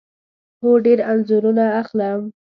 هو، ډیر انځورونه اخلم